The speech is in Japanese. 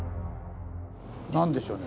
何でしょうね